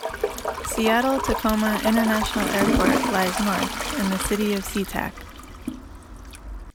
Seattle-Tacoma International Airport lies north, in the city of SeaTac.